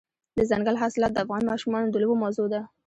دځنګل حاصلات د افغان ماشومانو د لوبو موضوع ده.